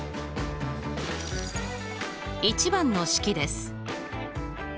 １番の式です。